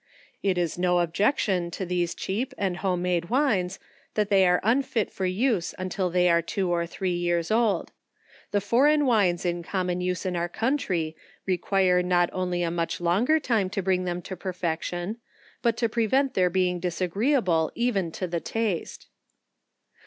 It is no objection to these cheap and home made wines, that they are unfit for use until they are two or three years old. The foreign wines in common use in our country, require not only a much longer time to bring them to perfection, but to pre vent their being disagreeable even to the taste.